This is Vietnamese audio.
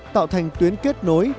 tạo thành tuyến kết nối